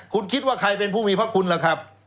คุณคิดว่าใครเป็นผู้มีพระคุณล่ะครับ